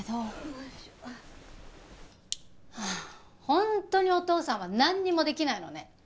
本当にお父さんはなんにもできないのね。